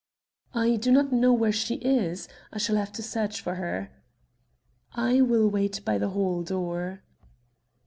"I do not know where she is. I shall have to search for her." "I will wait by the hall door."